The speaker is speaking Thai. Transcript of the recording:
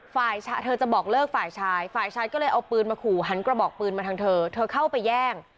ฝ่ายเช่าจะบอกเลิกอาวุธปาศาจก็เลยเอาปืนมาขู่หันกระเบาะปืนไว้ทางเธอเข้าไปแย่ง